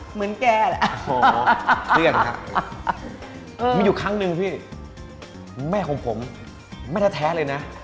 เหมือนแกแล้วมีอยู่ครั้งหนึ่งพี่แม่ของผมไม่ได้แท้เลยนะ